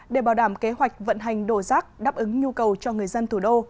để bảo đảm kế hoạch vận hành đồ rác đáp ứng nhu cầu cho người dân thủ đô